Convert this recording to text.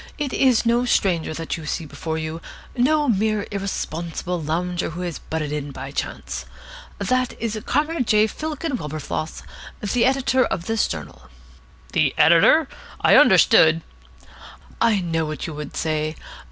"It is no stranger that you see before you, no mere irresponsible lounger who has butted in by chance. That is Comrade J. Fillken Wilberfloss, the editor of this journal." "The editor? I understood " "I know what you would say.